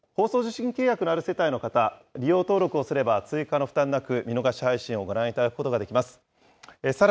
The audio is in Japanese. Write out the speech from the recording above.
放送受信契約のある世帯の方、利用登録をすれば、追加の負担なく、見逃し配信をご覧いただくことができます。